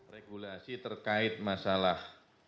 regulasi terkait masalah